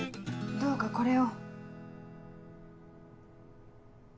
どうかこれを。